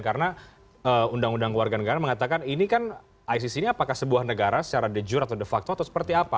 karena undang undang kewarganegaraan mengatakan ini kan isis ini apakah sebuah negara secara de jure atau de facto atau seperti apa